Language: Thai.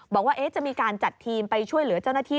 บอกว่าจะมีการจัดทีมไปช่วยเหลือเจ้าหน้าที่